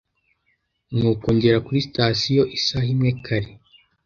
nuko ngera kuri sitasiyo isaha imwe kare.